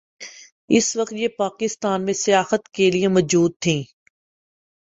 اس وقت یہ پاکستان میں سیاحت کے لیئے موجود تھیں۔